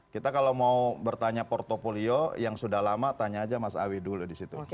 kita kalau mau bertanya portfolio yang sudah lama tanya aja mas awi dulu di situ